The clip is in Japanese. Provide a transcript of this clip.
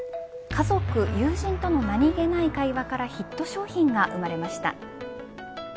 家族、友人とのなにげない会話からヒット商品が生まれました。